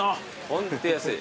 ホント安い。